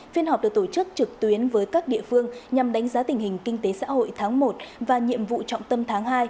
phiên họp được tổ chức trực tuyến với các địa phương nhằm đánh giá tình hình kinh tế xã hội tháng một và nhiệm vụ trọng tâm tháng hai